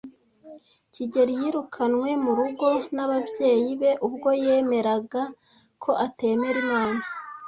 kigeli yirukanwe mu rugo n'ababyeyi be ubwo yemeraga ko atemera Imana.